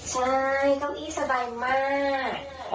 ใช่เก้าอี้สบายมาก